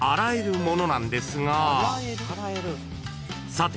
［さて］